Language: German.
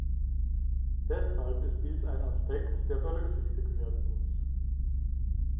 Deshalb ist dies ein Aspekt, der berücksichtigt werden muss.